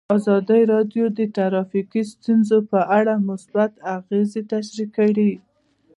ازادي راډیو د ټرافیکي ستونزې په اړه مثبت اغېزې تشریح کړي.